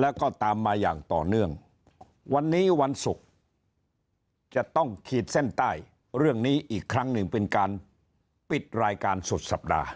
แล้วก็ตามมาอย่างต่อเนื่องวันนี้วันศุกร์จะต้องขีดเส้นใต้เรื่องนี้อีกครั้งหนึ่งเป็นการปิดรายการสุดสัปดาห์